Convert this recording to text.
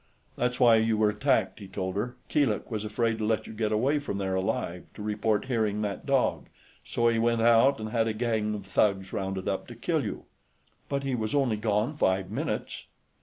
"That's why you were attacked," he told her. "Keeluk was afraid to let you get away from there alive to report hearing that dog, so he went out and had a gang of thugs rounded up to kill you." "But he was only gone five minutes."